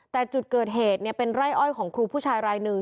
แต่จุดเกิดเหตุเป็นไร่อ้อยของครูผู้ชายรายหนึ่ง